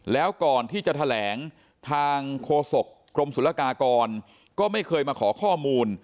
แล้วก่อนที่จะแถลงทางโฆษกรมศุลกากรก็ไม่เคยมาขอข้อมูล